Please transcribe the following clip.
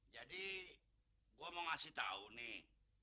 jadi gua mau ngasih tau nih